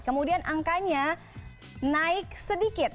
kemudian angkanya naik sedikit